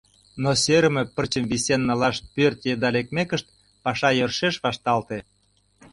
Но сӧрымӧ пырчым висен налаш пӧрт еда лекмекышт, паша йӧршеш вашталте.